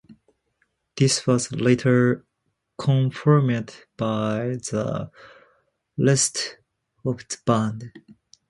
This was later confirmed by the rest of the band.